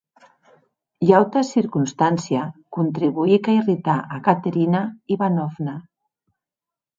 Ua auta circonstància contribuic a irritar a Caterina Ivanovna.